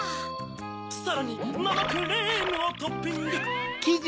さらになまクリームをトッピング。